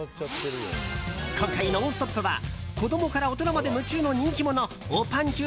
今回「ノンストップ！」は子供から大人まで夢中の人気者おぱんちゅ